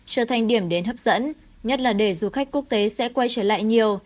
trở thành điểm đến hấp dẫn nhất là để du khách quốc tế sẽ quay trở lại nhiều